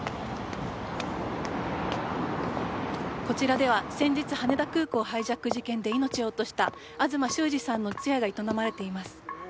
こちらでは先日羽田空港ハイジャック事件で命を落とした東修二さんの通夜が営まれています。